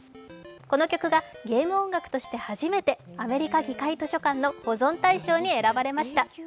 この曲がゲーム音楽として初めてアメリカ議会図書館の永久保存に選ばれました。